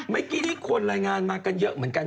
ไมค์กี้นี้ควรรายงานมากันเยอะเหมือนกัน